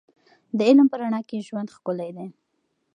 د علم په رڼا کې ژوند ښکلی دی.